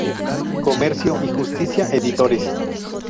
Comercio y Justicia Editores.